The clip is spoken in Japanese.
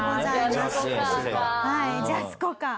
ジャスコカーか。